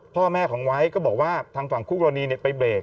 พ่อแม่ของไวท์ก็บอกว่าทางฝั่งคู่กรณีไปเรก